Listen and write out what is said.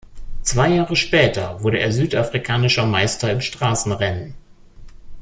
Zwei Jahre später wurde er südafrikanischer Meister im Straßenrennen.